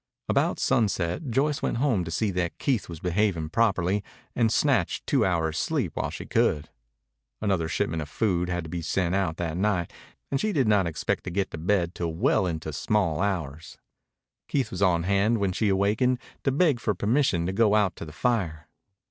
About sunset Joyce went home to see that Keith was behaving properly and snatched two hours' sleep while she could. Another shipment of food had to be sent out that night and she did not expect to get to bed till well into the small hours. Keith was on hand when she awakened to beg for permission to go out to the fire.